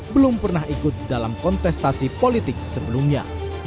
belum pernah ikut dalam kontestasi politik sebelumnya